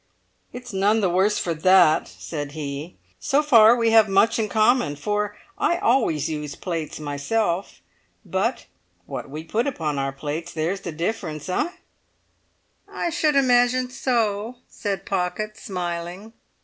"It's none the worse for that," said he. "So far we have much in common, for I always use plates myself. But what we put upon our plates, there's the difference, eh?" "I should imagine so," said Pocket, smiling.